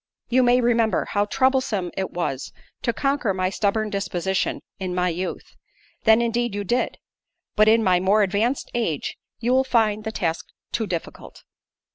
You may remember, how troublesome it was, to conquer my stubborn disposition in my youth; then, indeed, you did; but in my more advanced age, you will find the task too difficult."